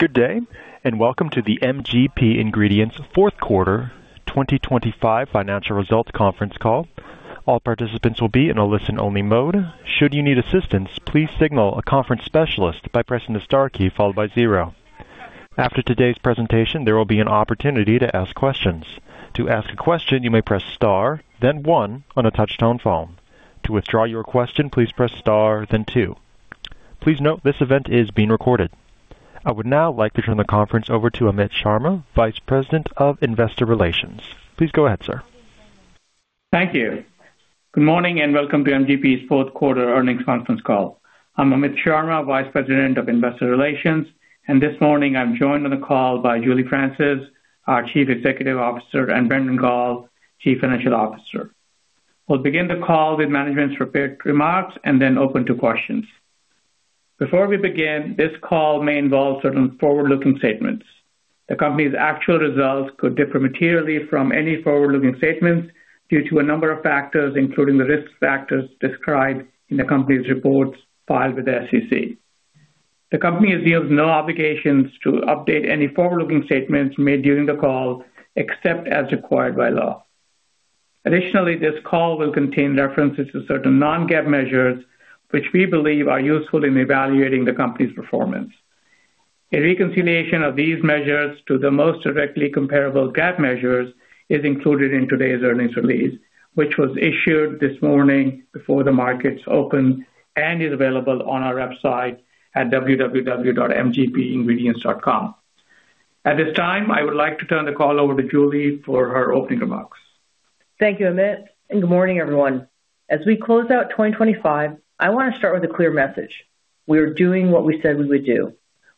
Good day, welcome to the MGP Ingredients Fourth Quarter 2025 Financial Results Conference Call. All participants will be in a listen-only mode. Should you need assistance, please signal a conference specialist by pressing the Star key followed by zero. After today's presentation, there will be an opportunity to ask questions. To ask a question, you may press Star, then one on a touch-tone phone. To withdraw your question, please press Star, then two. Please note, this event is being recorded. I would now like to turn the conference over to Amit Sharma, Vice President of Investor Relations. Please go ahead, sir. Thank you. Good morning, and welcome to MGP's fourth quarter earnings conference call. I'm Amit Sharma, Vice President of Investor Relations, and this morning I'm joined on the call by Julie Francis, our Chief Executive Officer, and Brandon Gall, Chief Financial Officer. We'll begin the call with management's prepared remarks and then open to questions. Before we begin, this call may involve certain forward-looking statements. The company's actual results could differ materially from any forward-looking statements due to a number of factors, including the risk factors described in the company's reports filed with the SEC. The company yields no obligations to update any forward-looking statements made during the call, except as required by law. Additionally, this call will contain references to certain non-GAAP measures, which we believe are useful in evaluating the company's performance. A reconciliation of these measures to the most directly comparable GAAP measures is included in today's earnings release, which was issued this morning before the markets opened and is available on our website at www.mgpingredients.com. At this time, I would like to turn the call over to Julie for her opening remarks. Thank you, Amit. Good morning, everyone. As we close out 2025, I want to start with a clear message: We are doing what we said we would do.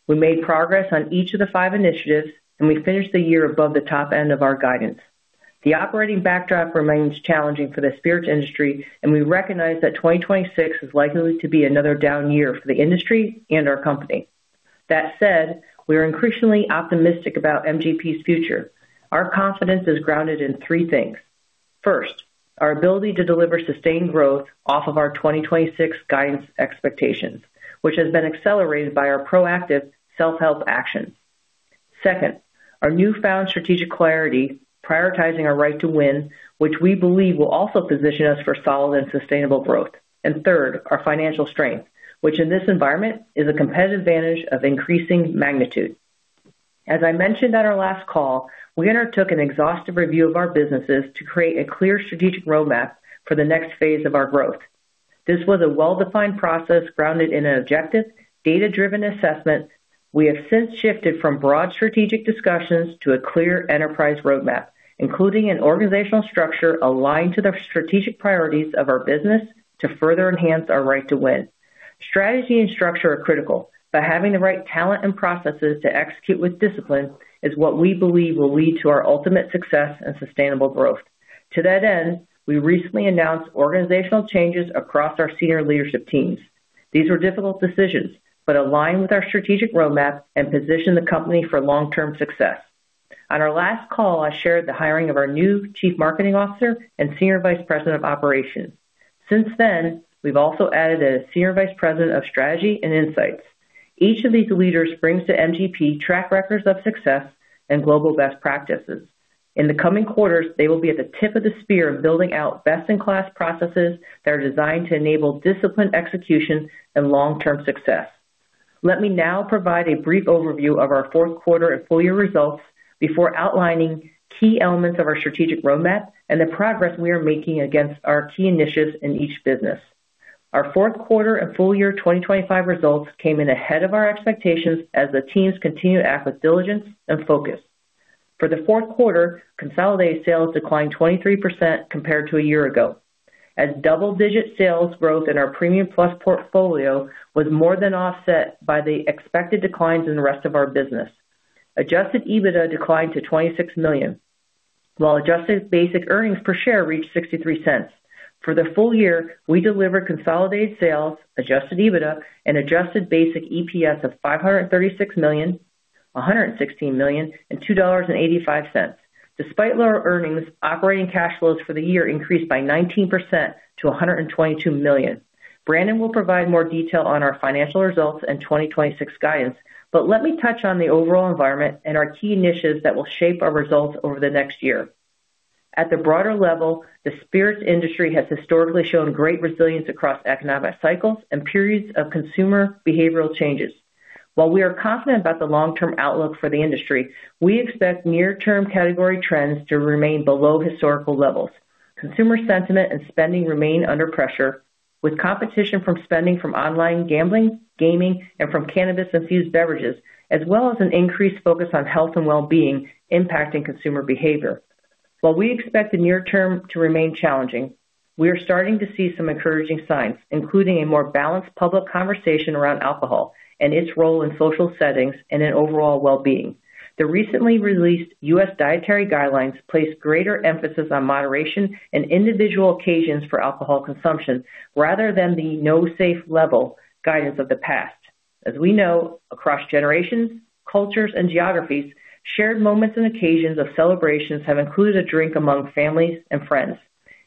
We made progress on each of the five initiatives. We finished the year above the top end of our guidance. The operating backdrop remains challenging for the spirits industry. We recognize that 2026 is likely to be another down year for the industry and our company. That said, we are increasingly optimistic about MGP's future. Our confidence is grounded in three things. First, our ability to deliver sustained growth off of our 2026 guidance expectations, which has been accelerated by our proactive self-help actions. Second, our newfound strategic clarity, prioritizing our right to win, which we believe will also position us for solid and sustainable growth. Third, our financial strength, which in this environment is a competitive advantage of increasing magnitude. As I mentioned on our last call, we undertook an exhaustive review of our businesses to create a clear strategic roadmap for the next phase of our growth. This was a well-defined process grounded in an objective, data-driven assessment. We have since shifted from broad strategic discussions to a clear enterprise roadmap, including an organizational structure aligned to the strategic priorities of our business to further enhance our right to win. Strategy and structure are critical, but having the right talent and processes to execute with discipline is what we believe will lead to our ultimate success and sustainable growth. To that end, we recently announced organizational changes across our senior leadership teams. These were difficult decisions, but align with our strategic roadmap and position the company for long-term success. On our last call, I shared the hiring of our new Chief Marketing Officer and Senior Vice President of Operations. Since then, we've also added a Senior Vice President of Strategy and Insights. Each of these leaders brings to MGP track records of success and global best practices. In the coming quarters, they will be at the tip of the spear of building out best-in-class processes that are designed to enable disciplined execution and long-term success. Let me now provide a brief overview of our fourth quarter and full year results before outlining key elements of our strategic roadmap and the progress we are making against our key initiatives in each business. Our fourth quarter and full year 2025 results came in ahead of our expectations as the teams continue to act with diligence and focus. For the fourth quarter, consolidated sales declined 23% compared to a year ago, as double-digit sales growth in our Premium Plus portfolio was more than offset by the expected declines in the rest of our business. Adjusted EBITDA declined to $26 million, while Adjusted Basic Earnings per Share reached $0.63. For the full year, we delivered consolidated sales, Adjusted EBITDA and Adjusted Basic EPS of $536 million, $116 million and $2.85. Despite lower earnings, operating cash flows for the year increased by 19% to $122 million. Brandon will provide more detail on our financial results and 2026 guidance, but let me touch on the overall environment and our key initiatives that will shape our results over the next year. At the broader level, the spirits industry has historically shown great resilience across economic cycles and periods of consumer behavioral changes. While we are confident about the long-term outlook for the industry, we expect near-term category trends to remain below historical levels. Consumer sentiment and spending remain under pressure, with competition from spending from online gambling, gaming, and from cannabis-infused beverages, as well as an increased focus on health and wellbeing impacting consumer behavior. While we expect the near term to remain challenging, we are starting to see some encouraging signs, including a more balanced public conversation around alcohol and its role in social settings and in overall wellbeing. The recently released U.S. Dietary Guidelines place greater emphasis on moderation and individual occasions for alcohol consumption rather than the no safe level guidance of the past. As we know, across generations, cultures, and geographies, shared moments and occasions of celebrations have included a drink among families and friends.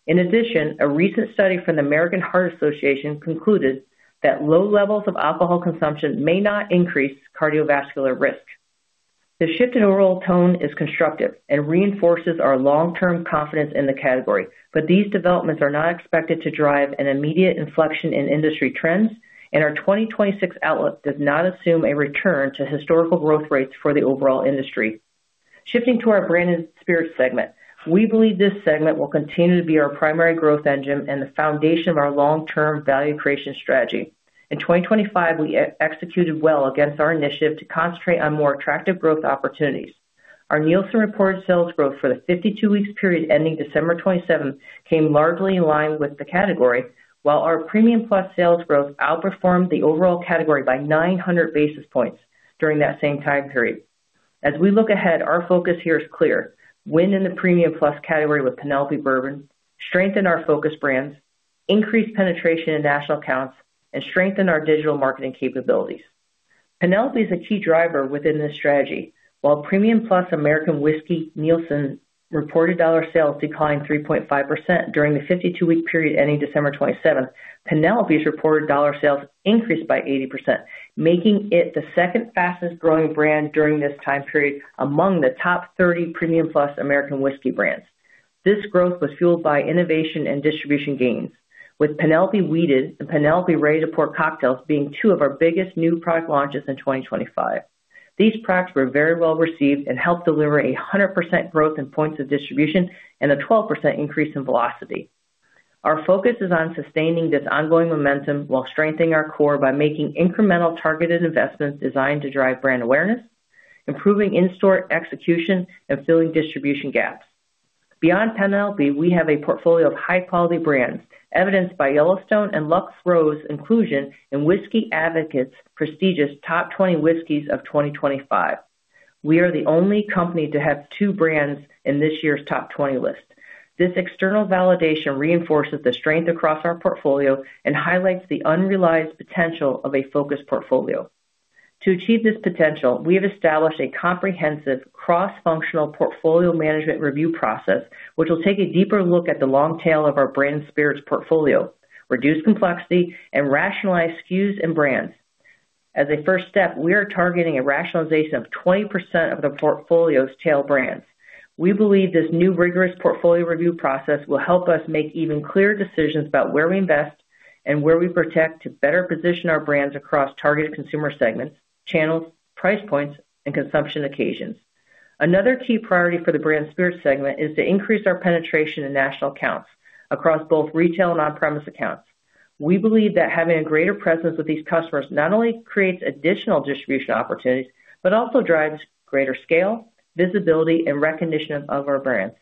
A recent study from the American Heart Association concluded that low levels of alcohol consumption may not increase cardiovascular risk. The shift in overall tone is constructive and reinforces our long-term confidence in the category. These developments are not expected to drive an immediate inflection in industry trends. Our 2026 outlook does not assume a return to historical growth rates for the overall industry. Shifting to our brand and spirit segment, we believe this segment will continue to be our primary growth engine and the foundation of our long-term value creation strategy. In 2025, we executed well against our initiative to concentrate on more attractive growth opportunities. Our Nielsen reported sales growth for the 52 weeks period ending December 27th, came largely in line with the category, while our premium plus sales growth outperformed the overall category by 900 basis points during that same time period. As we look ahead, our focus here is clear: win in the premium plus category with Penelope Bourbon, strengthen our focus brands, increase penetration in national accounts, and strengthen our digital marketing capabilities. Penelope is a key driver within this strategy. While Premium Plus American Whiskey, Nielsen reported dollar sales declined 3.5% during the 52-week period, ending December 27th, Penelope's reported dollar sales increased by 80%, making it the second fastest growing brand during this time period among the top 30 Premium Plus American Whiskey brands. This growth was fueled by innovation and distribution gains, with Penelope Wheated and Penelope Ready-to-Pour Cocktails being two of our biggest new product launches in 2025. These products were very well received and helped deliver 100% growth in points of distribution and a 12% increase in velocity. Our focus is on sustaining this ongoing momentum while strengthening our core by making incremental targeted investments designed to drive brand awareness, improving in-store execution, and filling distribution gaps. Beyond Penelope, we have a portfolio of high-quality brands, evidenced by Yellowstone and Lux Row's inclusion in Whisky Advocate's prestigious Top 20 Whiskies of 2025. We are the only company to have two brands in this year's top 20 list. This external validation reinforces the strength across our portfolio and highlights the unrealized potential of a focused portfolio. To achieve this potential, we have established a comprehensive cross-functional portfolio management review process, which will take a deeper look at the long tail of our Branded Spirits portfolio, reduce complexity, and rationalize SKUs and brands. As a first step, we are targeting a rationalization of 20% of the portfolio's tail brands. We believe this new rigorous portfolio review process will help us make even clearer decisions about where we invest and where we protect to better position our brands across targeted consumer segments, channels, price points, and consumption occasions. Another key priority for the Branded Spirits segment is to increase our penetration in national accounts across both retail and on-premise accounts. We believe that having a greater presence with these customers not only creates additional distribution opportunities, but also drives greater scale, visibility, and recognition of our brands.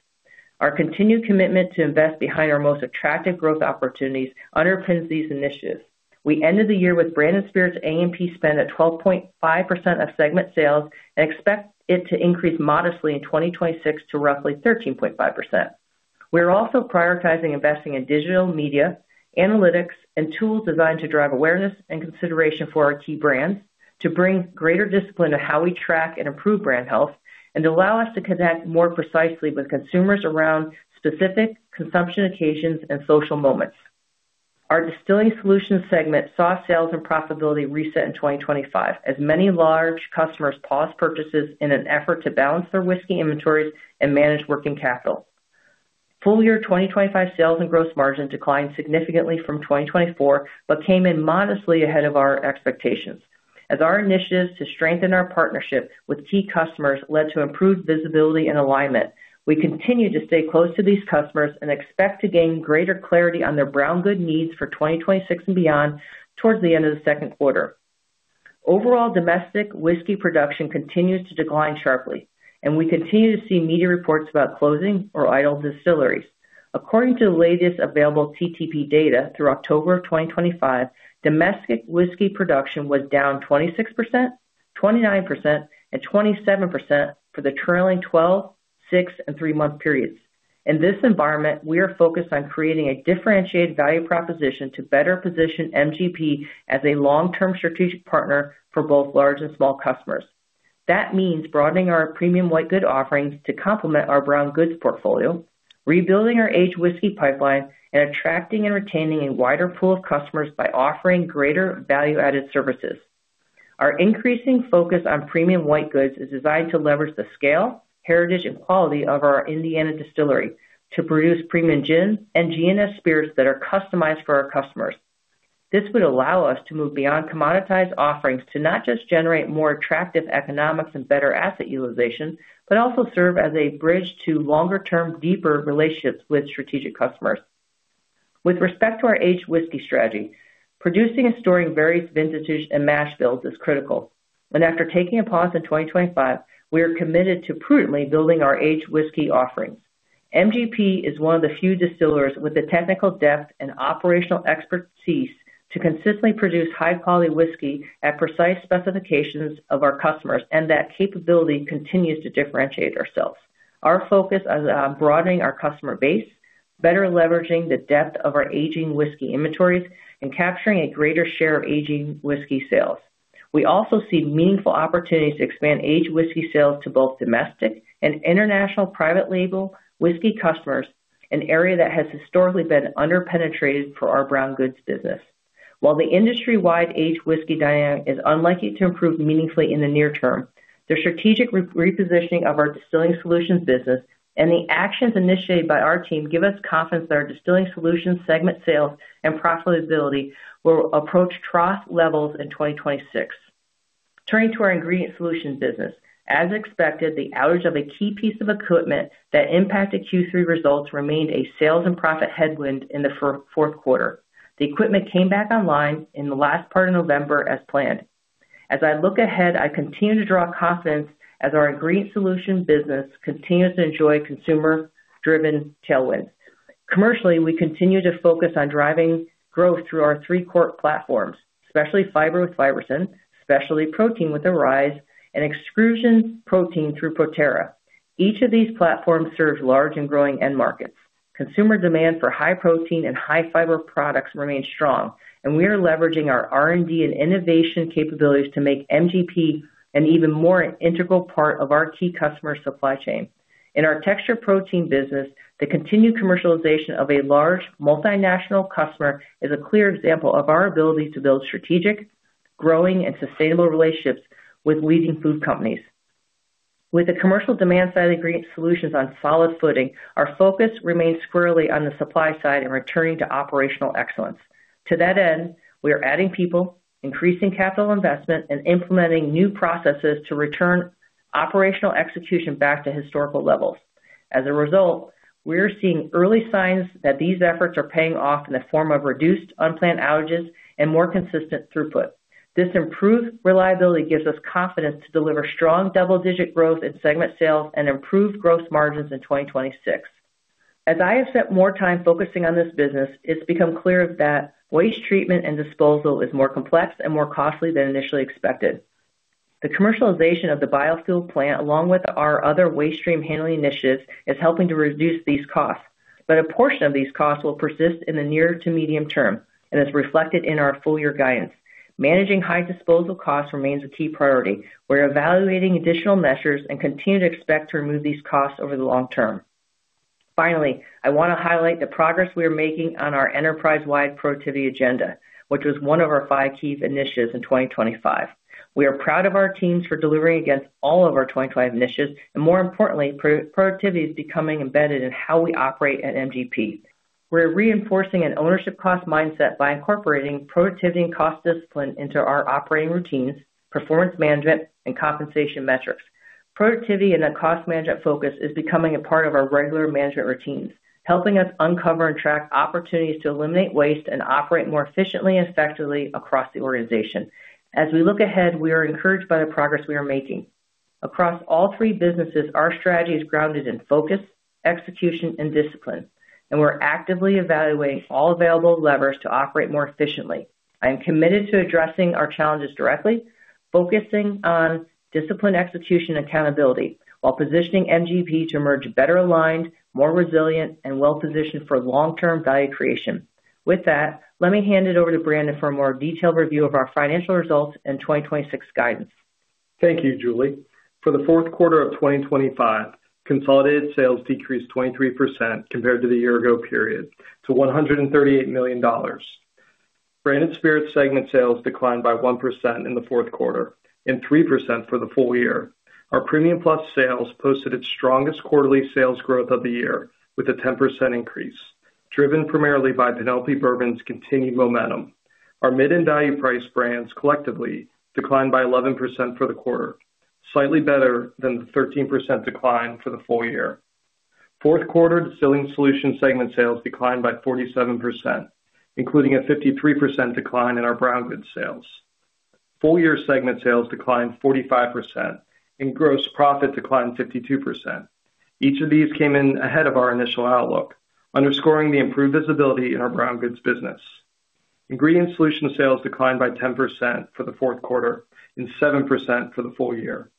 Our continued commitment to invest behind our most attractive growth opportunities underpins these initiatives. We ended the year with Branded Spirits A&P spend at 12.5% of segment sales and expect it to increase modestly in 2026 to roughly 13.5%. We're also prioritizing investing in digital media, analytics, and tools designed to drive awareness and consideration for our key brands, to bring greater discipline to how we track and improve brand health, and allow us to connect more precisely with consumers around specific consumption occasions and social moments. Our Distilling Solutions segment saw sales and profitability reset in 2025, as many large customers paused purchases in an effort to balance their whiskey inventories and manage working capital. Full year 2025 sales and gross margin declined significantly from 2024, but came in modestly ahead of our expectations. As our initiatives to strengthen our partnerships with key customers led to improved visibility and alignment, we continue to stay close to these customers and expect to gain greater clarity on their brown goods needs for 2026 and beyond towards the end of the second quarter. Overall, domestic whiskey production continues to decline sharply. We continue to see media reports about closing or idle distilleries. According to the latest available CTP data through October of 2025, domestic whiskey production was down 26%, 29%, and 27% for the trailing 12, six, and three month periods. In this environment, we are focused on creating a differentiated value proposition to better position MGP as a long-term strategic partner for both large and small customers. That means broadening our premium white goods offerings to complement our brown goods portfolio, rebuilding our aged whiskey pipeline, and attracting and retaining a wider pool of customers by offering greater value-added services. Our increasing focus on premium white goods is designed to leverage the scale, heritage, and quality of our Indiana distillery to produce premium gin and GNS spirits that are customized for our customers. This would allow us to move beyond commoditized offerings to not just generate more attractive economics and better asset utilization, but also serve as a bridge to longer-term, deeper relationships with strategic customers. With respect to our aged whiskey strategy, producing and storing various vintages and mash bills is critical, and after taking a pause in 2025, we are committed to prudently building our aged whiskey offerings. MGP is one of the few distillers with the technical depth and operational expertise to consistently produce high-quality whiskey at precise specifications of our customers, and that capability continues to differentiate ourselves. Our focus is on broadening our customer base, better leveraging the depth of our aging whiskey inventories, and capturing a greater share of aging whiskey sales. We also see meaningful opportunities to expand aged whiskey sales to both domestic and international private label whiskey customers, an area that has historically been underpenetrated for our brown goods business. While the industry-wide aged whiskey dynamic is unlikely to improve meaningfully in the near term, the strategic repositioning of our Distilling Solutions business and the actions initiated by our team give us confidence that our Distilling Solutions segment sales and profitability will approach trough levels in 2026. Turning to our Ingredient Solutions business. As expected, the outage of a key piece of equipment that impacted Q3 results remained a sales and profit headwind in the fourth quarter. The equipment came back online in the last part of November as planned. As I look ahead, I continue to draw confidence as our Ingredient Solutions business continues to enjoy consumer-driven tailwinds. Commercially, we continue to focus on driving growth through our three core platforms, specialty fiber with Fibersym, specialty protein with Arise, and extrusion protein through ProTerra. Each of these platforms serves large and growing end markets. Consumer demand for high protein and high fiber products remains strong, and we are leveraging our R&D and innovation capabilities to make MGP an even more integral part of our key customer supply chain. In our texture protein business, the continued commercialization of a large multinational customer is a clear example of our ability to build strategic, growing, and sustainable relationships with leading food companies. With the commercial demand side of Ingredient Solutions on solid footing, our focus remains squarely on the supply side and returning to operational excellence. To that end, we are adding people, increasing capital investment, and implementing new processes to return operational execution back to historical levels. As a result, we are seeing early signs that these efforts are paying off in the form of reduced unplanned outages and more consistent throughput. This improved reliability gives us confidence to deliver strong double-digit growth in segment sales and improved gross margins in 2026. As I have spent more time focusing on this business, it's become clear that waste treatment and disposal is more complex and more costly than initially expected. The commercialization of the biofuel plant, along with our other waste stream handling initiatives, is helping to reduce these costs, but a portion of these costs will persist in the near to medium term, and it's reflected in our full year guidance. Managing high disposal costs remains a key priority. We're evaluating additional measures and continue to expect to remove these costs over the long term. I want to highlight the progress we are making on our enterprise-wide productivity agenda, which was one of our five key initiatives in 2025. We are proud of our teams for delivering against all of our 25 initiatives, and more importantly, productivity is becoming embedded in how we operate at MGP. We're reinforcing an ownership cost mindset by incorporating productivity and cost discipline into our operating routines, performance management, and compensation metrics. Productivity and a cost management focus is becoming a part of our regular management routines, helping us uncover and track opportunities to eliminate waste and operate more efficiently and effectively across the organization. As we look ahead, we are encouraged by the progress we are making. Across all three businesses, our strategy is grounded in focus, execution, and discipline, and we're actively evaluating all available levers to operate more efficiently. I am committed to addressing our challenges directly, focusing on disciplined execution and accountability, while positioning MGP to emerge better aligned, more resilient, and well-positioned for long-term value creation. With that, let me hand it over to Brandon for a more detailed review of our financial results and 2026 guidance. Thank you, Julie. For the fourth quarter of 2025, consolidated sales decreased 23% compared to the year ago period to $138 million. Branded Spirits segment sales declined by 1% in the fourth quarter and 3% for the full year. Our premium plus sales posted its strongest quarterly sales growth of the year, with a 10% increase, driven primarily by Penelope Bourbon's continued momentum. Our mid and value price brands collectively declined by 11% for the quarter, slightly better than the 13% decline for the full year. Fourth quarter Distilling Solutions segment sales declined by 47%, including a 53% decline in our brown goods sales. Full year segment sales declined 45%, and gross profit declined 52%. Each of these came in ahead of our initial outlook, underscoring the improved visibility in our brown goods business. Ingredient Solutions sales declined by 10% for the fourth quarter and 7% for the full year.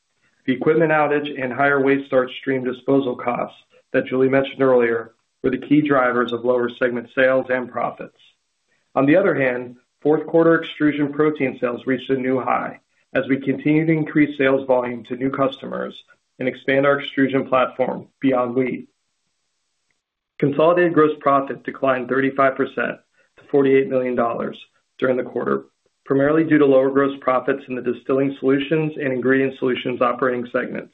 The equipment outage and higher waste stream disposal costs that Julie mentioned earlier were the key drivers of lower segment sales and profits. On the other hand, fourth quarter extrusion protein sales reached a new high as we continue to increase sales volume to new customers and expand our extrusion platform beyond wheat. Consolidated gross profit declined 35% to $48 million during the quarter, primarily due to lower gross profits in the Distilling Solutions and Ingredient Solutions operating segments.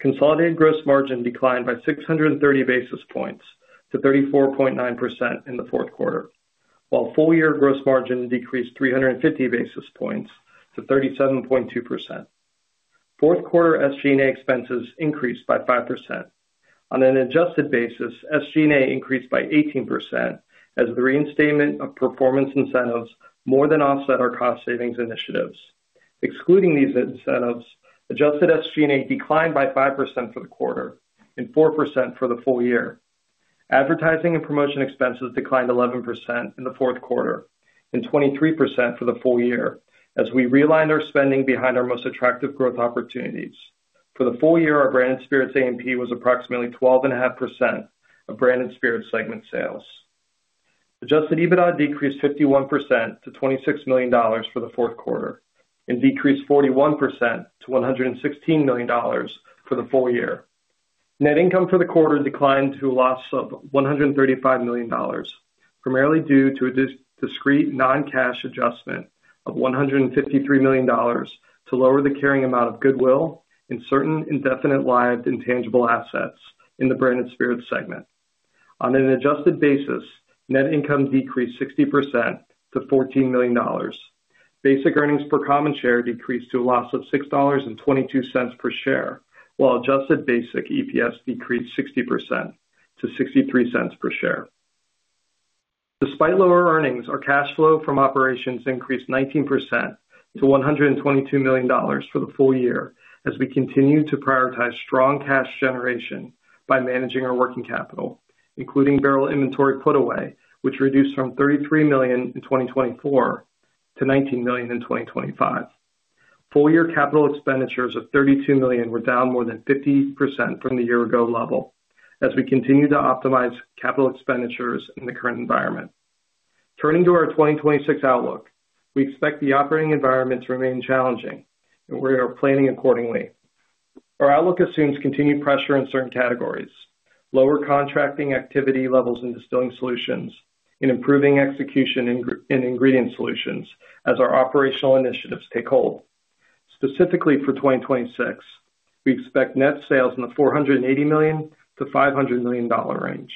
Consolidated gross margin declined by 630 basis points to 34.9% in the fourth quarter, while full year gross margin decreased 350 basis points to 37.2%. Fourth quarter SG&A expenses increased by 5%. On an adjusted basis, SG&A increased by 18% as the reinstatement of performance incentives more than offset our cost savings initiatives. Excluding these incentives, adjusted SG&A declined by 5% for the quarter and 4% for the full year. Advertising and promotion expenses declined 11% in the fourth quarter and 23% for the full year as we realigned our spending behind our most attractive growth opportunities. For the full year, our Branded Spirits A&P was approximately 12.5% of Branded Spirits segment sales. Adjusted EBITDA decreased 51% to $26 million for the fourth quarter, and decreased 41% to $116 million for the full year. Net income for the quarter declined to a loss of $135 million, primarily due to a discrete non-cash adjustment of $153 million to lower the carrying amount of goodwill in certain indefinite lived intangible assets in the Branded Spirits segment. On an adjusted basis, net income decreased 60% to $14 million. Basic earnings per common share decreased to a loss of $6.22 per share, while adjusted basic EPS decreased 60% to $0.63 per share. Despite lower earnings, our cash flow from operations increased 19% to $122 million for the full year, as we continue to prioritize strong cash generation by managing our working capital, including barrel inventory put away, which reduced from $33 million in 2024 to $19 million in 2025. Full year capital expenditures of $32 million were down more than 50% from the year ago level, as we continue to optimize capital expenditures in the current environment. Turning to our 2026 outlook, we expect the operating environment to remain challenging. We are planning accordingly. Our outlook assumes continued pressure in certain categories, lower contracting activity levels in Distilling Solutions, and improving execution in Ingredient Solutions as our operational initiatives take hold. Specifically for 2026, we expect net sales in the $480 million-$500 million range,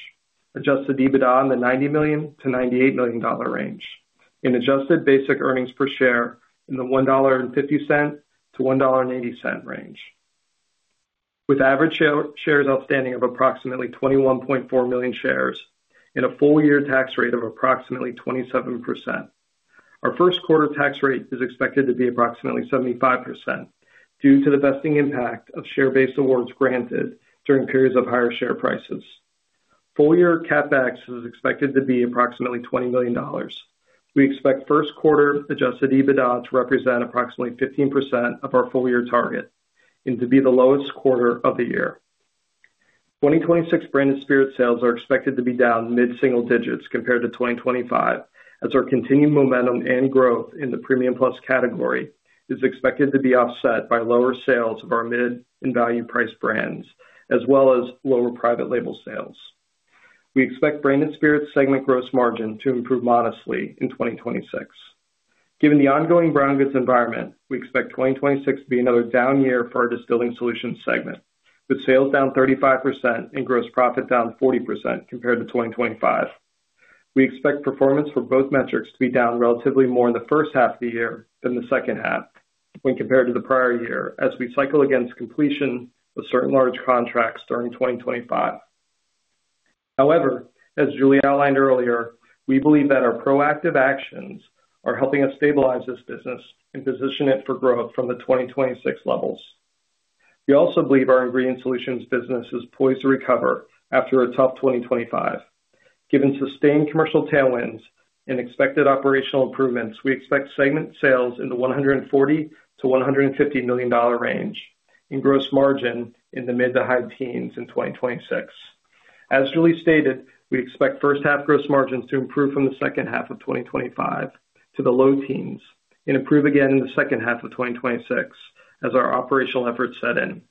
adjusted EBITDA in the $90 million-$98 million range, and adjusted basic earnings per share in the $1.50-$1.80 range, with average shares outstanding of approximately 21.4 million shares and a full year tax rate of approximately 27%. Our first quarter tax rate is expected to be approximately 75%, due to the vesting impact of share-based awards granted during periods of higher share prices. Full year CapEx is expected to be approximately $20 million. We expect first quarter adjusted EBITDA to represent approximately 15% of our full year target and to be the lowest quarter of the year. 2026 Branded Spirits sales are expected to be down mid-single digits compared to 2025, as our continued momentum and growth in the premium plus category is expected to be offset by lower sales of our mid and value price brands, as well as lower private label sales. We expect Branded Spirits segment gross margin to improve modestly in 2026. Given the ongoing brown goods environment, we expect 2026 to be another down year for our Distilling Solutions segment, with sales down 35% and gross profit down 40% compared to 2025. We expect performance for both metrics to be down relatively more in the first half of the year than the second half when compared to the prior year, as we cycle against completion of certain large contracts during 2025. However, as Julie outlined earlier, we believe that our proactive actions are helping us stabilize this business and position it for growth from the 2026 levels. We also believe our Ingredient Solutions business is poised to recover after a tough 2025. Given sustained commercial tailwinds and expected operational improvements, we expect segment sales in the $140 million-$150 million range, and gross margin in the mid to high teens in 2026. As Julie stated, we expect first half gross margins to improve from the second half of 2025 to the low teens and improve again in the second half of 2026 as our operational efforts set in.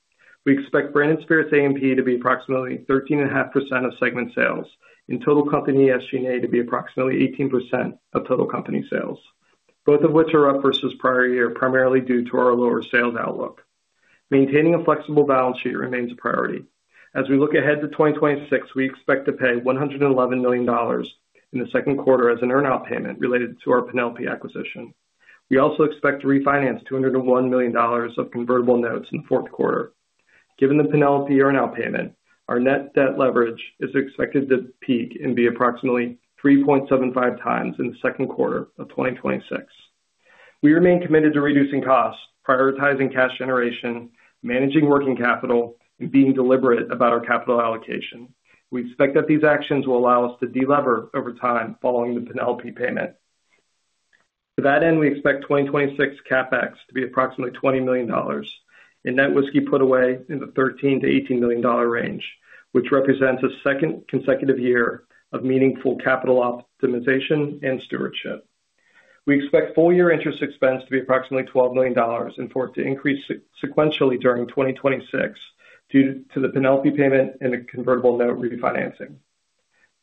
We expect Branded Spirits A&P to be approximately 13.5% of segment sales, and total company SG&A to be approximately 18% of total company sales, both of which are up versus prior year, primarily due to our lower sales outlook. Maintaining a flexible balance sheet remains a priority. As we look ahead to 2026, we expect to pay $111 million in the second quarter as an earnout payment related to our Penelope acquisition. We also expect to refinance $201 million of convertible notes in the fourth quarter. Given the Penelope earnout payment, our net debt leverage is expected to peak and be approximately 3.75 times in the second quarter of 2026. We remain committed to reducing costs, prioritizing cash generation, managing working capital, and being deliberate about our capital allocation. We expect that these actions will allow us to delever over time following the Penelope payment. We expect 2026 CapEx to be approximately $20 million and net whiskey put away in the $13 million-$18 million range, which represents a second consecutive year of meaningful capital optimization and stewardship. We expect full year interest expense to be approximately $12 million and for it to increase sequentially during 2026 due to the Penelope payment and a convertible note refinancing.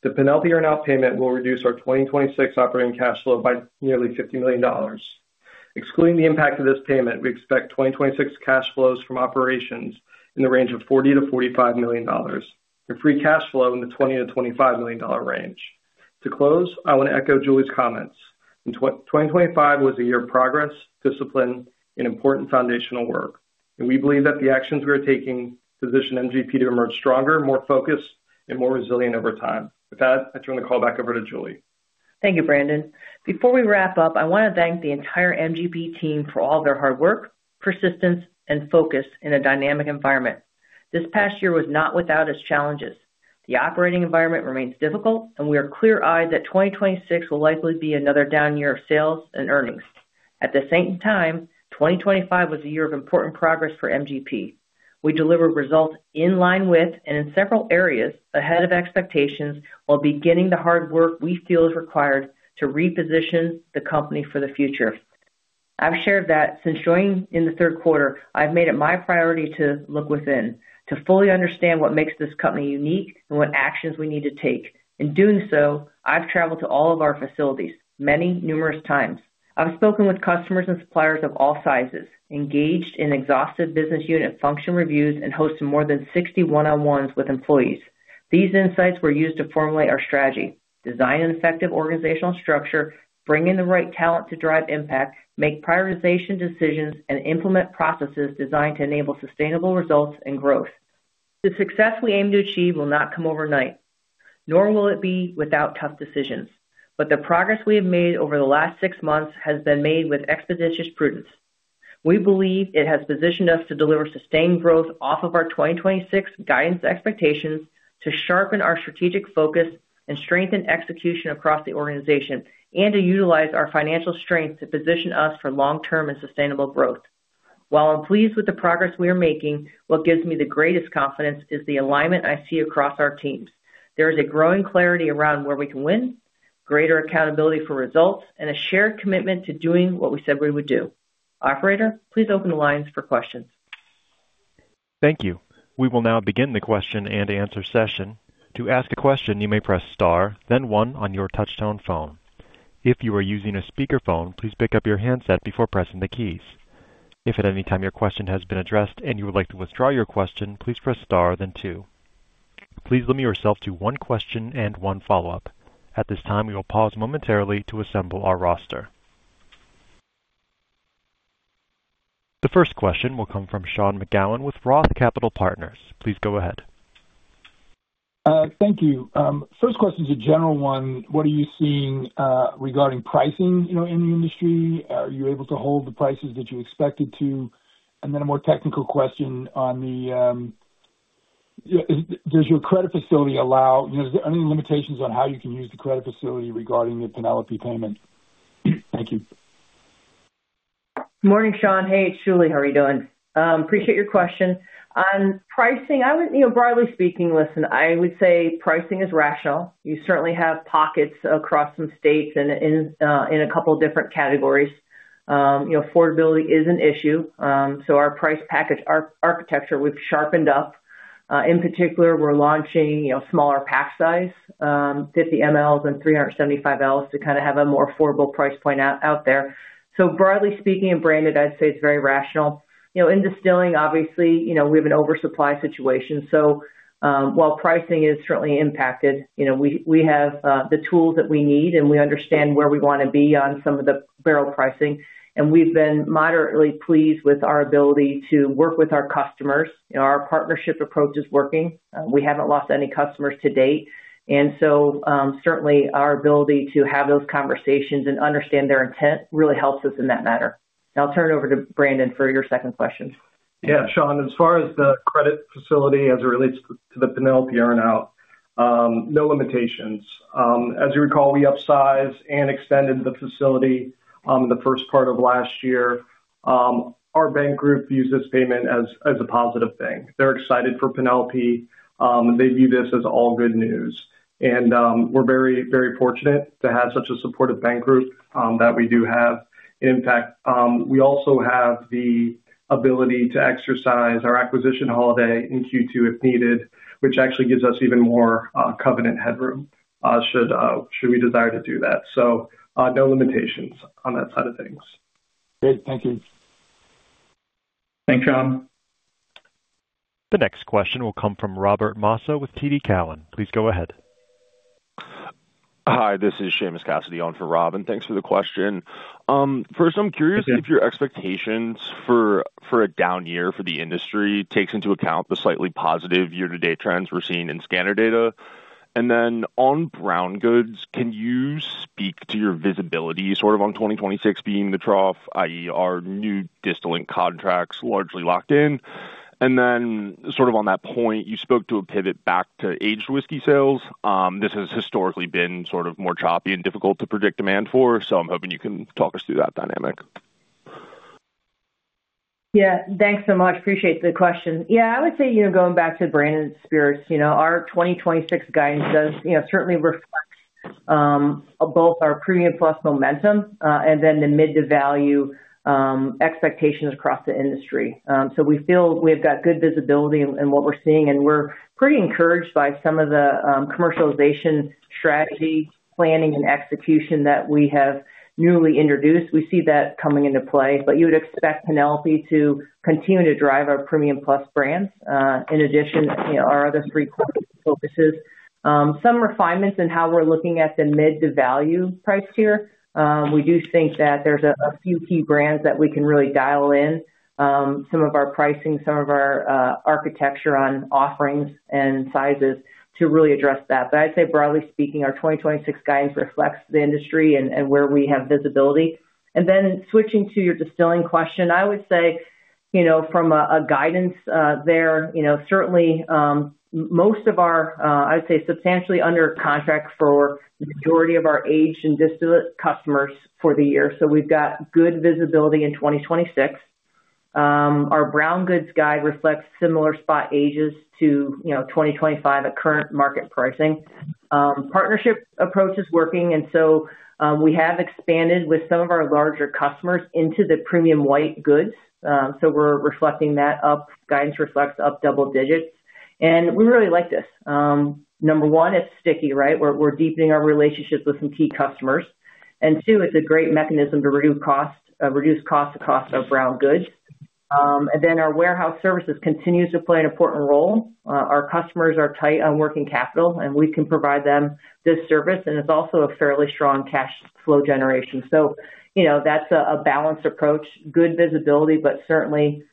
The Penelope earnout payment will reduce our 2026 operating cash flow by nearly $50 million. Excluding the impact of this payment, we expect 2026 cash flows from operations in the range of $40 million-$45 million, and free cash flow in the $20 million-$25 million range. To close, I want to echo Julie's comments. In 2025 was a year of progress, discipline, and important foundational work. We believe that the actions we are taking position MGP to emerge stronger, more focused, and more resilient over time. With that, I turn the call back over to Julie. Thank you, Brandon. Before we wrap up, I want to thank the entire MGP team for all their hard work, persistence, and focus in a dynamic environment. This past year was not without its challenges. The operating environment remains difficult, and we are clear-eyed that 2026 will likely be another down year of sales and earnings. At the same time, 2025 was a year of important progress for MGP. We delivered results in line with, and in several areas, ahead of expectations, while beginning the hard work we feel is required to reposition the company for the future. I've shared that since joining in the third quarter, I've made it my priority to look within, to fully understand what makes this company unique, and what actions we need to take. In doing so, I've traveled to all of our facilities, many numerous times. I've spoken with customers and suppliers of all sizes, engaged in exhaustive business unit function reviews, and hosted more than 60 one-on-ones with employees. These insights were used to formulate our strategy, design an effective organizational structure, bring in the right talent to drive impact, make prioritization decisions, and implement processes designed to enable sustainable results and growth. The success we aim to achieve will not come overnight, nor will it be without tough decisions, but the progress we have made over the last 6 months has been made with expeditious prudence. We believe it has positioned us to deliver sustained growth off of our 2026 guidance expectations, to sharpen our strategic focus and strengthen execution across the organization, and to utilize our financial strengths to position us for long-term and sustainable growth. While I'm pleased with the progress we are making, what gives me the greatest confidence is the alignment I see across our teams. There is a growing clarity around where we can win, greater accountability for results, and a shared commitment to doing what we said we would do. Operator, please open the lines for questions. Thank you. We will now begin the question-and-answer session. To ask a question, you may press star, then 1 on your touchtone phone. If you are using a speakerphone, please pick up your handset before pressing the keys. If at any time your question has been addressed and you would like to withdraw your question, please press star then two. Please limit yourself to one question and one follow-up. At this time, we will pause momentarily to assemble our roster. The first question will come from Sean McGowan with Roth Capital Partners. Please go ahead. Thank you. First question is a general one. What are you seeing, regarding pricing, you know, in the industry? Are you able to hold the prices that you expected to? Then a more technical question on the, yeah, does your credit facility allow, you know, is there any limitations on how you can use the credit facility regarding the Penelope payment? Thank you. Morning, Sean. Hey, it's Julie. How are you doing? Appreciate your question. On pricing, I would, you know, broadly speaking, listen, I would say pricing is rational. You certainly have pockets across some states and in a couple of different categories. You know, affordability is an issue. Our price package architecture, we've sharpened up. In particular, we're launching, you know, smaller pack size, 50 mLs and 375 mLs to kind of have a more affordable price point out there. Broadly speaking, in Branded, I'd say it's very rational. You know, in Distilling, obviously, you know, we have an oversupply situation, while pricing is certainly impacted, you know, we have the tools that we need, and we understand where we want to be on some of the barrel pricing. We've been moderately pleased with our ability to work with our customers. You know, our partnership approach is working. We haven't lost any customers to date, certainly our ability to have those conversations and understand their intent really helps us in that matter. I'll turn it over to Brandon for your second question. Sean, as far as the credit facility as it relates to the Penelope earn-out, no limitations. As you recall, we upsized and extended the facility the first part of last year. Our bank group views this payment as a positive thing. They're excited for Penelope. They view this as all good news, and we're very, very fortunate to have such a supportive bank group that we do have. In fact, we also have the ability to exercise our acquisition holiday in Q2 if needed, which actually gives us even more covenant headroom, should we desire to do that. No limitations on that side of things. Great. Thank you. Thanks, Sean. The next question will come from Robert Moskow with TD Cowen. Please go ahead. Hi, this is Seamus Cassidy on for Rob, and thanks for the question. First. Okay. if your expectations for a down year for the industry takes into account the slightly positive year-to-date trends we're seeing in scanner data. On brown goods, can you speak to your visibility sort of on 2026 being the trough, i.e., are new distillate contracts largely locked in? Sort of on that point, you spoke to a pivot back to aged whiskey sales. This has historically been sort of more choppy and difficult to predict demand for, so I'm hoping you can talk us through that dynamic. Thanks so much. Appreciate the question. I would say, you know, going back to Branded Spirits, you know, our 2026 guidance does, you know, certainly reflect both our premium plus momentum and then the mid-to-value expectations across the industry. We feel we've got good visibility in what we're seeing, and we're pretty encouraged by some of the commercialization strategy, planning, and execution that we have newly introduced. We see that coming into play, you would expect Penelope to continue to drive our premium plus brands in addition to, you know, our other three core focuses. Some refinements in how we're looking at the mid-to-value price tier. We do think that there's a few key brands that we can really dial in, some of our pricing, some of our architecture on offerings and sizes to really address that. I'd say, broadly speaking, our 2026 guidance reflects the industry and where we have visibility. Then switching to your distilling question, I would say. You know, from a guidance, there, you know, certainly, most of our, I'd say, substantially under contract for the majority of our aged and distillate customers for the year. We've got good visibility in 2026. Our brown goods guide reflects similar spot ages to, you know, 2025 at current market pricing. Partnership approach is working, and so, we have expanded with some of our larger customers into the premium white goods. We're reflecting that up, guidance reflects up double digits. We really like this. Number one, it's sticky, right? We're deepening our relationships with some key customers. Two, it's a great mechanism to reduce costs, the cost of brown goods. Then our warehouse services continues to play an important role. Our customers are tight on working capital, and we can provide them this service, and it's also a fairly strong cash flow generation. You know, that's a balanced approach, good visibility, but certainly,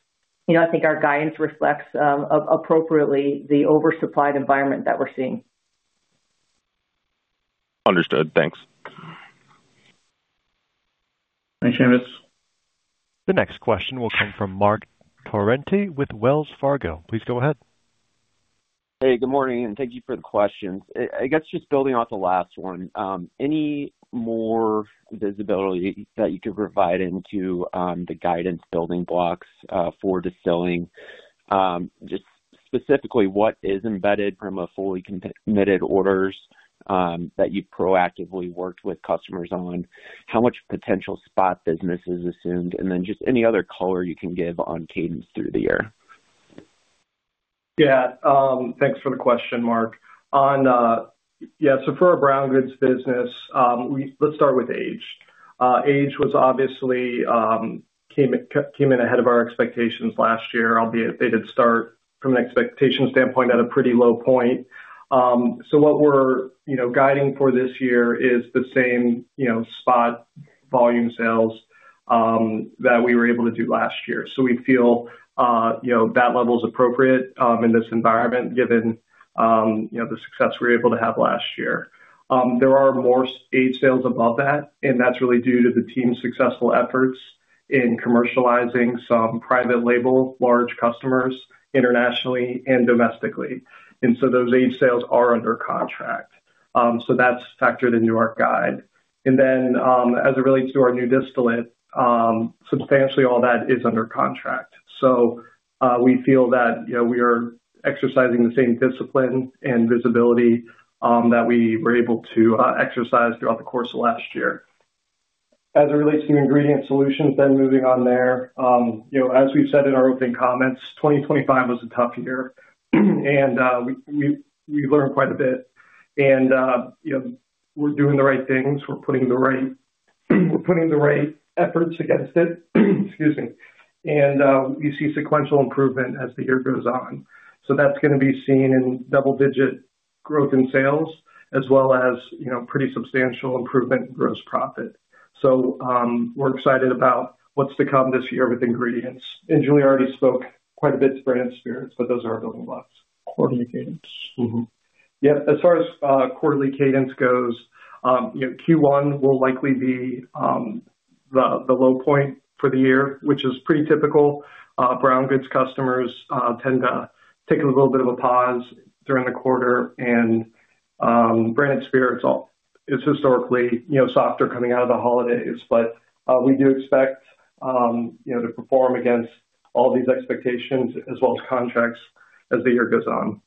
you know, I think our guidance reflects appropriately the oversupplied environment that we're seeing. Understood. Thanks. Thanks, Travis. The next question will come from Marc Torrente with Wells Fargo. Please go ahead. Hey, good morning, thank you for the questions. I guess, just building off the last one, any more visibility that you could provide into the guidance building blocks for distilling? Just specifically, what is embedded from a fully committed orders that you've proactively worked with customers on? How much potential spot business is assumed? Just any other color you can give on cadence through the year. Yeah, thanks for the question, Marc. For our brown goods business, let's start with aged. Aged was obviously, came in ahead of our expectations last year, albeit they did start from an expectation standpoint at a pretty low point. What we're, you know, guiding for this year is the same, you know, spot volume sales that we were able to do last year. We feel, you know, that level is appropriate in this environment, given, you know, the success we were able to have last year. There are more aged sales above that's really due to the team's successful efforts in commercializing some private label, large customers, internationally and domestically. Those aged sales are under contract. That's factored into our guide. As it relates to our new distillate, substantially all that is under contract. We feel that, you know, we are exercising the same discipline and visibility that we were able to exercise throughout the course of last year. As it relates to Ingredient Solutions, moving on there, you know, as we've said in our opening comments, 2025 was a tough year, and we learned quite a bit. You know, we're doing the right things. We're putting the right efforts against it. Excuse me. You see sequential improvement as the year goes on. That's going to be seen in double-digit growth in sales as well as, you know, pretty substantial improvement in gross profit. We're excited about what's to come this year with ingredients. Julie already spoke quite a bit to Branded Spirits, but those are our building blocks. Quarterly cadence. As far as quarterly cadence goes, you know, Q1 will likely be the low point for the year, which is pretty typical. Brown goods customers tend to take a little bit of a pause during the quarter, and branded spirits is historically, you know, softer coming out of the holidays. We do expect, you know, to perform against all these expectations as well as contracts as the year goes on.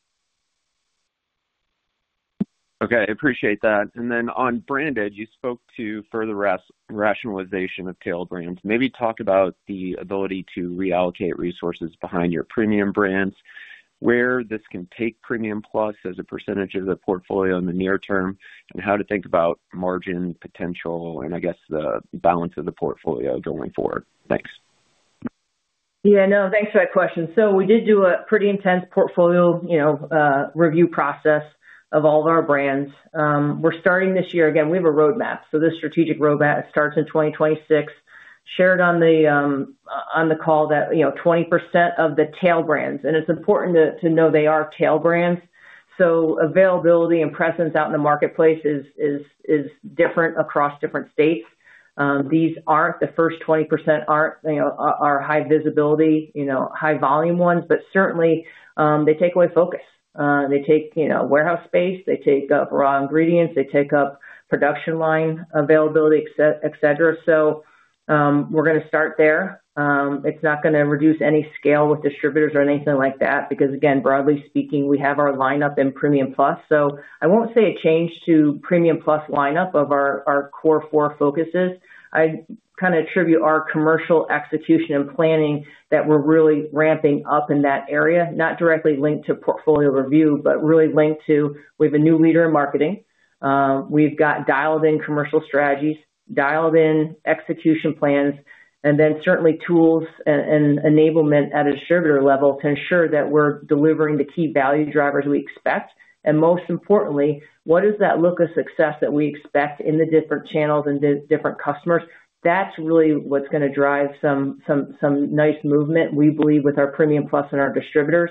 Okay, appreciate that. On Branded, you spoke to further rationalization of tail brands. Maybe talk about the ability to reallocate resources behind your premium brands, where this can take Premium Plus as a % of the portfolio in the near term, and how to think about margin potential, and I guess, the balance of the portfolio going forward. Thanks. Thanks for that question. We did do a pretty intense portfolio, you know, review process of all of our brands. We're starting this year. Again, we have a roadmap, this strategic roadmap starts in 2026, shared on the call that, you know, 20% of the tail brands, and it's important to know they are tail brands. Availability and presence out in the marketplace is different across different states. These aren't, the first 20% aren't, you know, are high visibility, you know, high volume ones, but certainly, they take away focus. They take, you know, warehouse space, they take up raw ingredients, they take up production line availability, et cetera. We're going to start there. It's not going to reduce any scale with distributors or anything like that, because again, broadly speaking, we have our lineup in Premium Plus. I won't say a change to Premium Plus lineup of our core four focuses. I kind of attribute our commercial execution and planning that we're really ramping up in that area, not directly linked to portfolio review, but really linked to, we have a new leader in marketing. We've got dialed in commercial strategies, dialed in execution plans, and certainly tools and enablement at a distributor level to ensure that we're delivering the key value drivers we expect. Most importantly, what does that look of success that we expect in the different channels and different customers? That's really what's going to drive some nice movement, we believe, with our Premium Plus and our distributors.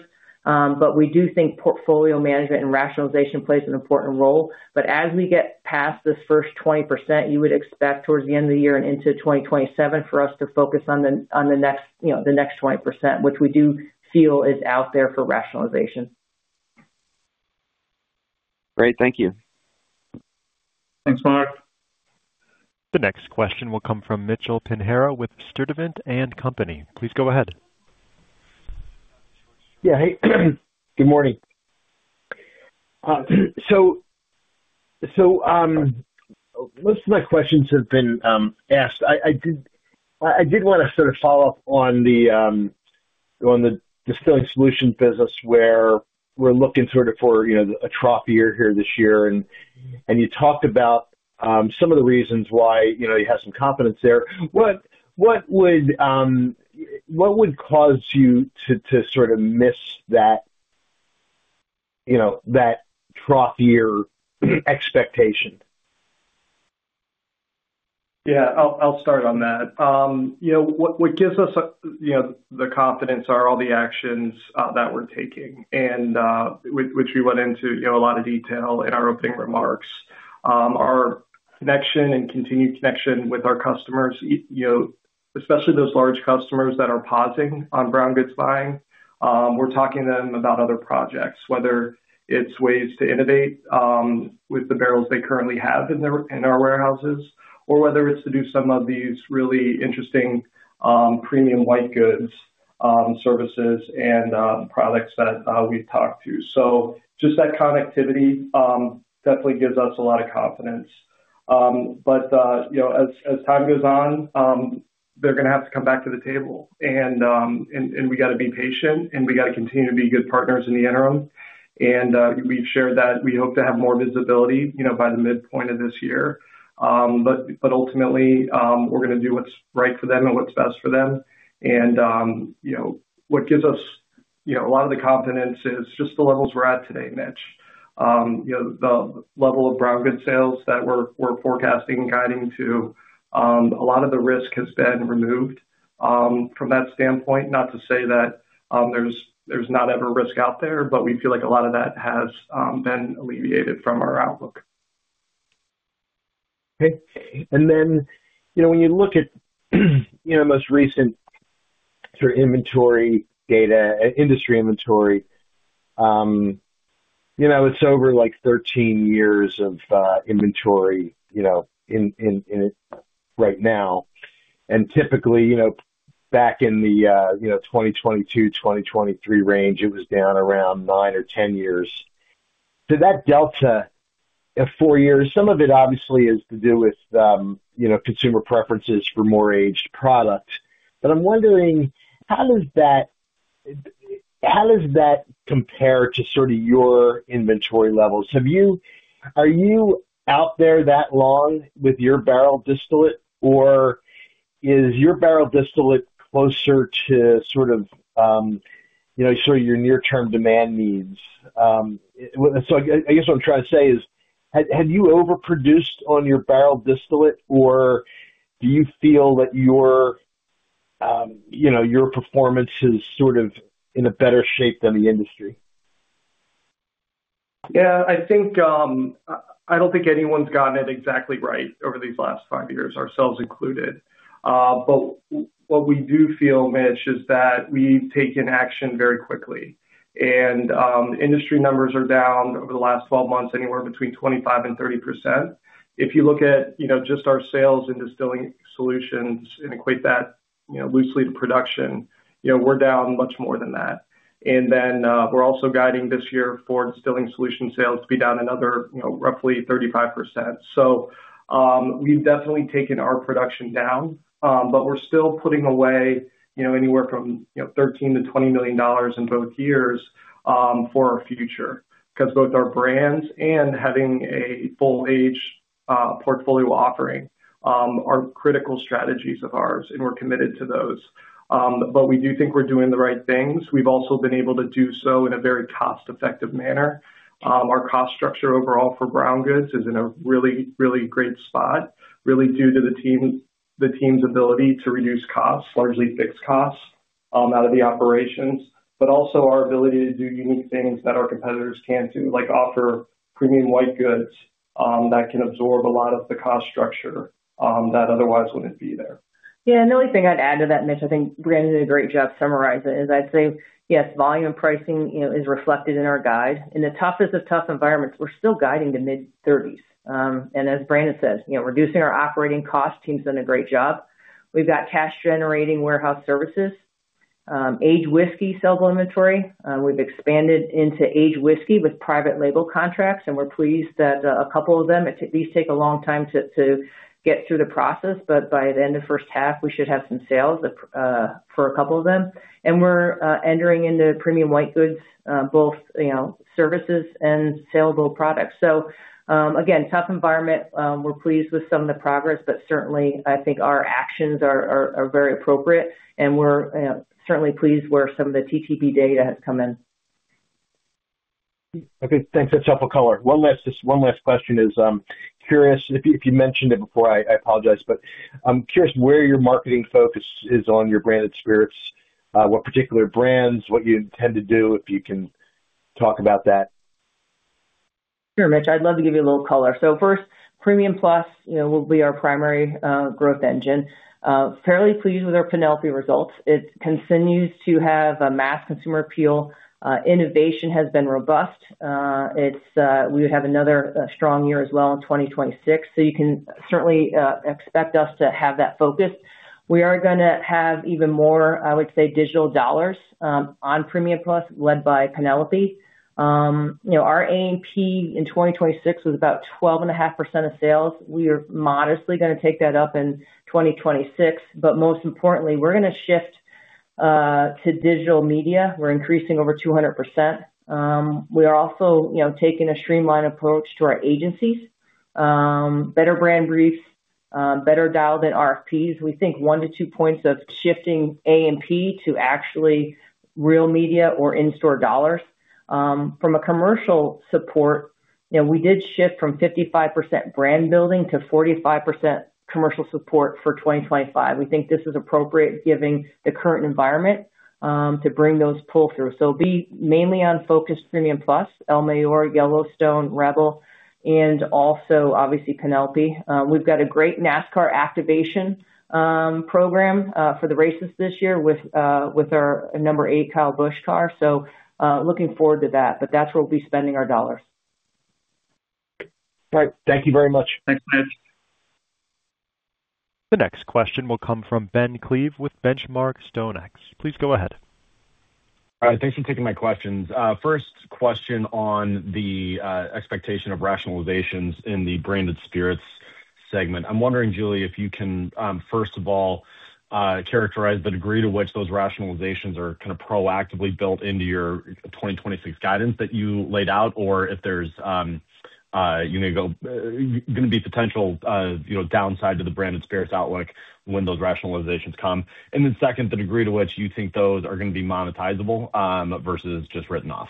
We do think portfolio management and rationalization plays an important role. As we get past this first 20%, you would expect towards the end of the year and into 2027 for us to focus on the, on the next, you know, the next 20%, which we do feel is out there for rationalization. Great. Thank you. Thanks, Marc. The next question will come from Mitchell Pinheiro with Sturdivant & Co. Please go ahead. Yeah. Hey, good morning. Most of my questions have been asked. I did want to sort of follow up on the Distilling Solutions business, where we're looking sort of for, you know, a trough year here this year, and you talked about some of the reasons why, you know, you have some confidence there. What would cause you to sort of miss that, you know, that trough year expectation? Yeah, I'll start on that. You know, what gives us a, you know, the confidence are all the actions that we're taking, and which we went into, you know, a lot of detail in our opening remarks. Our connection and continued connection with our customers, you know, especially those large customers that are pausing on brown goods buying, we're talking to them about other projects, whether it's ways to innovate with the barrels they currently have in our warehouses, or whether it's to do some of these really interesting premium white goods services and products that we've talked to. Just that connectivity definitely gives us a lot of confidence. you know, as time goes on, they're going to have to come back to the table and we got to be patient, and we got to continue to be good partners in the interim. we've shared that we hope to have more visibility, you know, by the midpoint of this year. ultimately, we're going to do what's right for them and what's best for them. you know, what gives us, you know, a lot of the confidence is just the levels we're at today, Mitch. you know, the level of brown goods sales that we're forecasting and guiding to, a lot of the risk has been removed from that standpoint. Not to say that, there's not ever risk out there, but we feel like a lot of that has been alleviated from our outlook. Okay. Then, you know, when you look at, you know, most recent sort of inventory data, industry inventory, you know, it's over like 13 years of inventory, you know, in it right now. Typically, you know, back in the, you know, 2022, 2023 range, it was down around nine or 10 years. That delta of four years, some of it obviously is to do with, you know, consumer preferences for more aged product. I'm wondering, how does that compare to sort of your inventory levels? Are you out there that long with your barrel distillate, or is your barrel distillate closer to sort of, you know, sort of your near-term demand needs? I guess what I'm trying to say is, have you overproduced on your barrel distillate, or do you feel that your, you know, your performance is sort of in a better shape than the industry? I think, I don't think anyone's gotten it exactly right over these last five years, ourselves included. But what we do feel, Mitch, is that we've taken action very quickly. Industry numbers are down over the last 12 months, anywhere between 25% and 30%. If you look at, you know, just our sales and Distilling Solutions and equate that, you know, loosely to production, you know, we're down much more than that. Then we're also guiding this year for Distilling Solution sales to be down another, you know, roughly 35%. We've definitely taken our production down, but we're still putting away, you know, anywhere from, you know, $13 million-$20 million in both years for our future. Because both our brands and having a full age portfolio offering are critical strategies of ours, and we're committed to those. We do think we're doing the right things. We've also been able to do so in a very cost-effective manner. Our cost structure overall for brown goods is in a really great spot, really due to the team, the team's ability to reduce costs, largely fixed costs out of the operations, but also our ability to do unique things that our competitors can't do, like offer premium white goods that can absorb a lot of the cost structure that otherwise wouldn't be there. The only thing I'd add to that, Mitch, I think Brandon did a great job summarizing, is I'd say, yes, volume and pricing, you know, is reflected in our guide. In the toughest of tough environments, we're still guiding to mid-thirties. As Brandon says, you know, reducing our operating costs, team's done a great job. We've got cash-generating warehouse services, aged whiskey sellable inventory. We've expanded into aged whiskey with private label contracts, and we're pleased that a couple of them, these take a long time to get through the process, but by the end of first half, we should have some sales for a couple of them. We're entering into premium white goods, both, you know, services and saleable products. Again, tough environment. We're pleased with some of the progress, but certainly I think our actions are very appropriate, and we're certainly pleased where some of the TTB data has come in. Okay, thanks. That's helpful color. One last, just one last question is, curious if you mentioned it before, I apologize, but I'm curious where your marketing focus is on your Branded Spirits, what particular brands, what you intend to do, if you can talk about that? Sure, Mitch, I'd love to give you a little color. First, Premium Plus, you know, will be our primary growth engine. Fairly pleased with our Penelope results. It continues to have a mass consumer appeal. Innovation has been robust. It's, we would have another strong year as well in 2026, so you can certainly expect us to have that focus. We are going to have even more, I would say, digital dollars on Premium Plus, led by Penelope. You know, our A&P in 2026 was about 12.5% of sales. We are modestly going to take that up in 2026, most importantly, we're going to shift to digital media. We're increasing over 200%. We are also, you know, taking a streamlined approach to our agencies. Better brand briefs, better dialed in RFPs. We think one to two points of shifting A&P to actually real media or in-store dollars. From a commercial support, we did shift from 55% brand building to 45% commercial support for 2025. We think this is appropriate, given the current environment, to bring those pull through. Be mainly on focused Premium Plus, El Mayor, Yellowstone, Rebel, and also, obviously, Penelope. We've got a great NASCAR activation program for the races this year with our number eight Kyle Busch car. Looking forward to that, but that's where we'll be spending our dollars. All right. Thank you very much. Thanks, Mitch. The next question will come from Ben Klieve with Benchmark Stonex. Please go ahead. Thanks for taking my questions. First question on the expectation of rationalizations in the Branded Spirits segment. I'm wondering, Julie, if you can, first of all, characterize the degree to which those rationalizations are kind of proactively built into your 2026 guidance that you laid out, or if there's going to be potential, you know, downside to the Branded Spirits outlook when those rationalizations come. Second, the degree to which you think those are going to be monetizable versus just written off.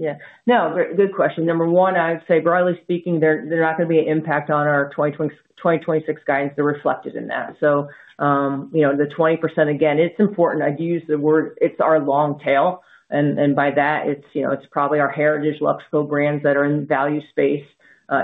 Yeah. No, good question. Number one, I'd say, broadly speaking, they're not going to be an impact on our 2026 guidance. They're reflected in that. You know, the 20%, again, it's important. I'd use the word, it's our long tail, and by that, it's, you know, it's probably our heritage Luxco brands that are in value space,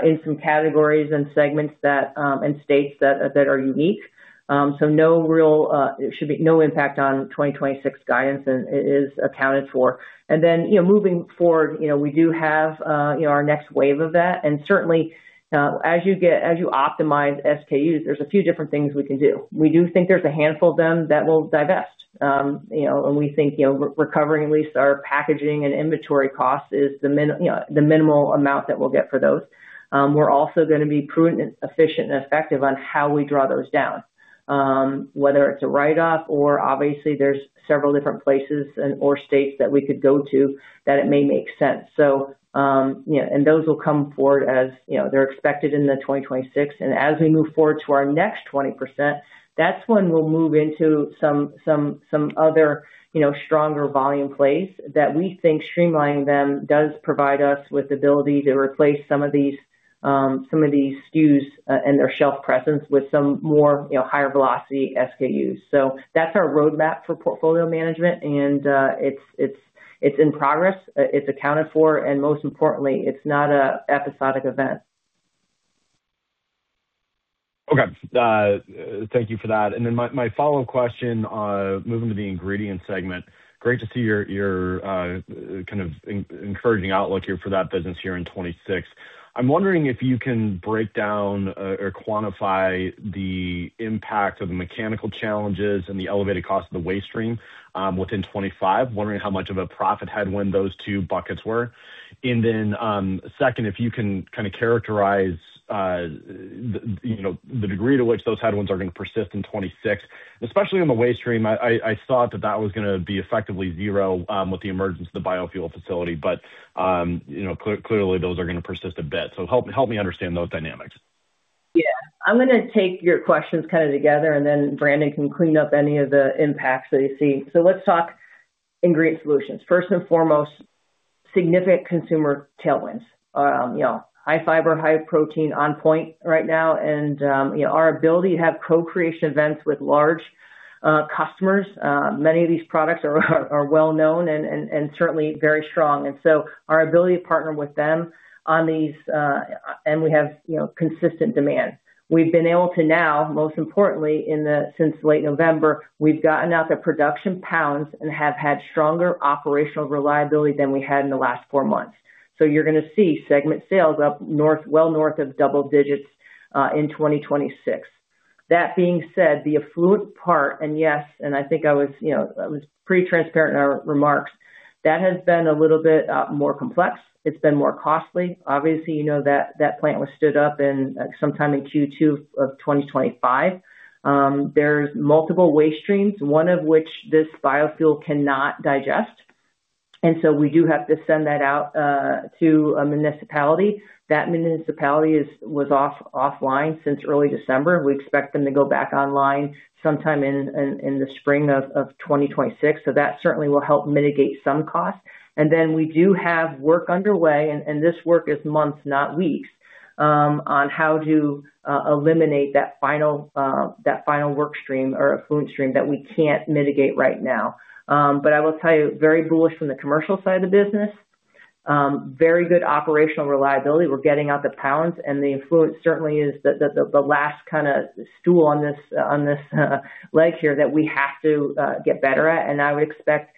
in some categories and segments that and states that are unique. No real. It should be no impact on 2026 guidance, and it is accounted for. You know, moving forward, you know, we do have, you know, our next wave of that. Certainly, as you optimize SKUs, there's a few different things we can do. We do think there's a handful of them that we'll divest. You know, we think, you know, recovering at least our packaging and inventory costs is the minimal amount that we'll get for those. We're also going to be prudent, efficient, and effective on how we draw those down. Whether it's a write-off or obviously there's several different places or states that we could go to, that it may make sense. You know, those will come forward as, you know, they're expected in 2026. As we move forward to our next 20%, that's when we'll move into some other, you know, stronger volume plays that we think streamlining them does provide us with the ability to replace some of these, some of these SKUs, and their shelf presence with some more, you know, higher velocity SKUs. That's our roadmap for portfolio management, and it's in progress. It's accounted for, and most importantly, it's not a episodic event. Okay. Thank you for that. My follow-up question, moving to the ingredients segment. Great to see your encouraging outlook here for that business here in 2026. I'm wondering if you can break down or quantify the impact of the mechanical challenges and the elevated cost of the waste stream within 2025. Wondering how much of a profit headwind those two buckets were? Second, if you can kind of characterize, you know, the degree to which those headwinds are going to persist in 2026, especially on the waste stream. I thought that that was going to be effectively zero with the emergence of the biofuel facility, but, you know, clearly, those are going to persist a bit. Help me understand those dynamics. Yeah. I'm going to take your questions kind of together, and then Brandon can clean up any of the impacts that he sees. Let's talk Ingredient Solutions. First and foremost, significant consumer tailwinds. you know, high fiber, high protein on point right now, you know, our ability to have co-creation events with large customers. Many of these products are well known and certainly very strong. Our ability to partner with them on these. We have, you know, consistent demand. We've been able to now, most importantly, since late November, we've gotten out the production pounds and have had stronger operational reliability than we had in the last four months. You're going to see segment sales up north, well north of double digits in 2026. That being said, the affluent part, and yes, and I think I was, you know, I was pretty transparent in our remarks. That has been a little bit more complex. It's been more costly. Obviously, you know that that plant was stood up in sometime in Q2 of 2025. There's multiple waste streams, one of which this biofuel cannot digest, and so we do have to send that out to a municipality. That municipality was offline since early December. We expect them to go back online sometime in the spring of 2026. That certainly will help mitigate some costs. We do have work underway, and this work is months, not weeks. on how to eliminate that final, that final work stream or affluent stream that we can't mitigate right now. I will tell you, very bullish from the commercial side of the business. Very good operational reliability. We're getting out the talent, the affluent certainly is the last kind of stool on this leg here that we have to get better at. I would expect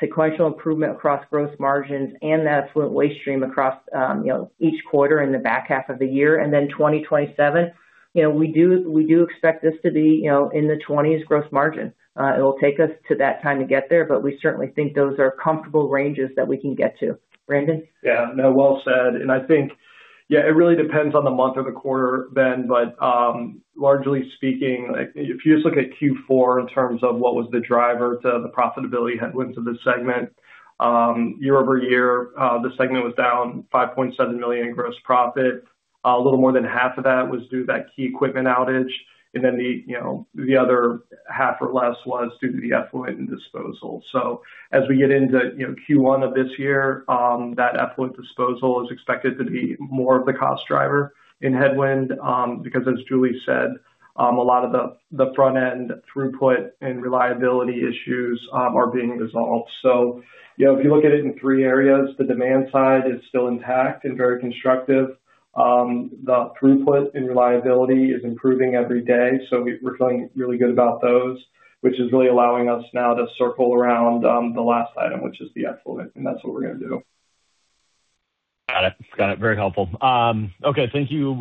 sequential improvement across gross margins and that affluent waste stream across, you know, each quarter in the back half of the year, then 2027. We do expect this to be, you know, in the 20s% gross margin. It will take us to that time to get there, but we certainly think those are comfortable ranges that we can get to. Brandon? Yeah, no, well said. I think, yeah, it really depends on the month or the quarter then. Largely speaking, like, if you just look at Q4 in terms of what was the driver to the profitability headwinds of the segment year-over-year, the segment was down $5.7 million in gross profit. A little more than half of that was due to that key equipment outage, and then the, you know, the other half or less was due to the effluent and disposal. As we get into, you know, Q1 of this year, that effluent disposal is expected to be more of the cost driver in headwind, because as Julie said, a lot of the front-end throughput and reliability issues are being resolved. You know, if you look at it in three areas, the demand side is still intact and very constructive. The throughput and reliability is improving every day, so we're feeling really good about those, which is really allowing us now to circle around the last item, which is the effluent. That's what we're going to do. Got it. Very helpful. Okay, thank you,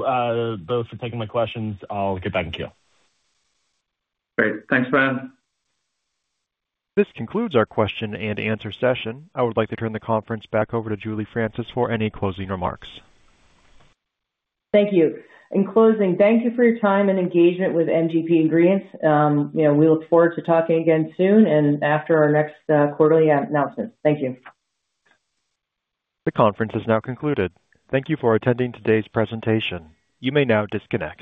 both for taking my questions. I'll get back in queue. Great. Thanks, Ben. This concludes our question and answer session. I would like to turn the conference back over to Julie Francis for any closing remarks. Thank you. In closing, thank you for your time and engagement with MGP Ingredients. you know, we look forward to talking again soon and after our next quarterly announcement. Thank you. The conference is now concluded. Thank you for attending today's presentation. You may now disconnect.